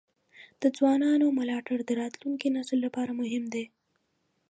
د ځوانانو ملاتړ د راتلونکي نسل لپاره مهم دی.